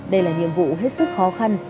đây là nhiệm vụ hết sức khó khăn